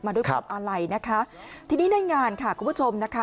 ด้วยความอาลัยนะคะทีนี้ในงานค่ะคุณผู้ชมนะคะ